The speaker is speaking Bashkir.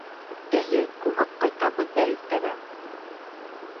Эйе, күмеп ҡайтабыҙ ҙа иртәгә!